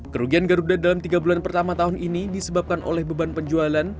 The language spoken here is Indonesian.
kerugian garuda dalam tiga bulan pertama tahun ini disebabkan oleh beban penjualan